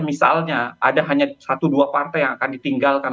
misalnya ada hanya satu dua partai yang akan ditinggalkan